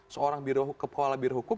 seorang kepala biruhukum